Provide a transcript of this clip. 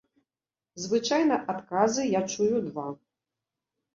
Звычайна адказы я чую два.